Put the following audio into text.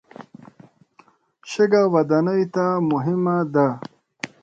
شګه ودانیو ته مهمه ده.